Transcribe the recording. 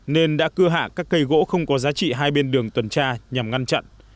nên đã cưa hạ các cây gỗ không có giá trị hai bên đường tuần tra nhằm ngăn chặn